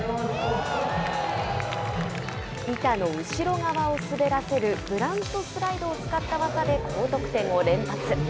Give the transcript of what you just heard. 板の後ろ側を滑らせるブラントスライドを使った技で高得点を連発。